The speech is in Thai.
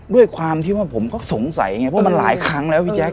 ด้วยความที่ว่าผมก็สงสัยไงเพราะมันหลายครั้งแล้วพี่แจ๊